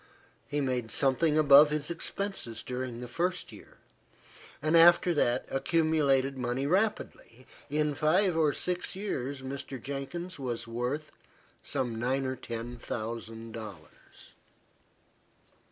He made something above his expenses during the first year, and after that accumulated money rapidly. In five or six years, Mr. Jenkins was worth some nine or ten thousand dollars.